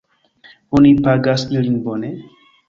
Oni pagas ilin bone?